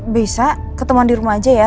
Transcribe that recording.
bisa ketemuan di rumah aja ya